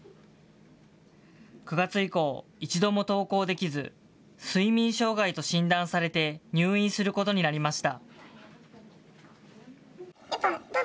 ９月以降、一度も登校できず、睡眠障害と診断されて入院することになりました。